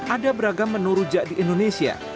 ada beragam menu rujak di indonesia